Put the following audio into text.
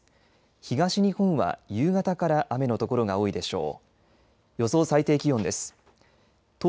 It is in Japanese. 東日本は夕方から雨のところが多いでしょう。